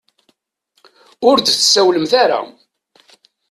Ur d-tsawlemt ara.